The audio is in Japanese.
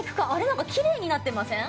なんか、きれいになってません？